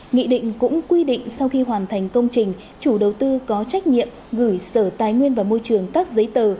nghị định cũng quy định sau khi hoàn thành công trình chủ đầu tư có trách nhiệm gửi sở tài nguyên và môi trường các giấy tờ